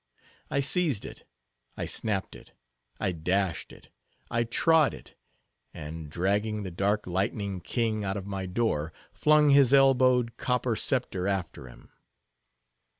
I seized it; I snapped it; I dashed it; I trod it; and dragging the dark lightning king out of my door, flung his elbowed, copper sceptre after him.